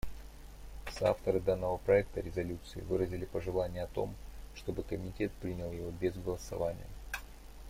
Соавторы данного проекта резолюции выразили пожелание о том, чтобы Комитет принял его без голосования.